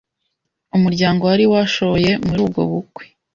umuryango wari washoye muri ubwo bukwe.